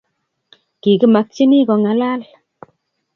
kikimakchini kong'alal